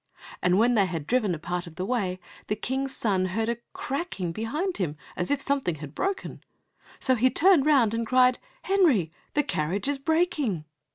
And when they had driven a part of the way the King's son heard a cracking behind him as if something had broken. So he turned round and cried, "Henry, the carriage is breaking."